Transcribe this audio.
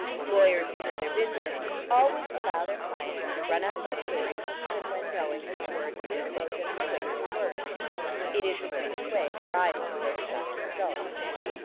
Lawyers who know their business always allow their clients to run out their stories even when knowing that the words so spoken are wasted words. It is the quickest way of arriving at their desired result.